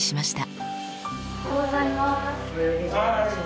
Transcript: おはようございます。